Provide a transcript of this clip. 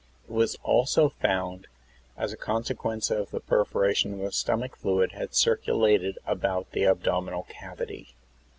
It was found also that as a consequence of the perforation the stomach fluid had circulated about the abdominal cavity.